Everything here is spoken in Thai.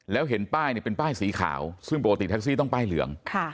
แล้วเห็นป้ายเป็นป้ายสีขาวซึ่งปกติแท็กซี่ต้องป้ายเหลือง